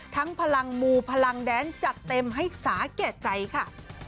พลังมูพลังแดนจัดเต็มให้สาแก่ใจค่ะ